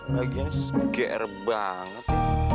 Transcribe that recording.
bagiannya seger banget